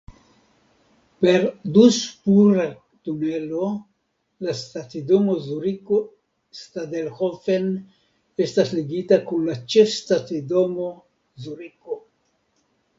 Per du-spura tunelo la stacidomo Zuriko-Stadelhofen estas ligita kun la Ĉefstacidomo Zuriko.